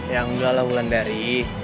ya enggak lah wulan dari